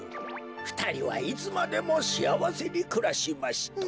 ふたりはいつまでもしあわせにくらしました」。